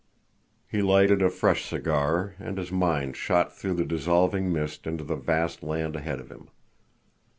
He lighted a fresh cigar, and his mind shot through the dissolving mist into the vast land ahead of him.